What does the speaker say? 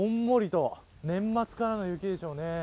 こんもりと年末からの雪でしょうね。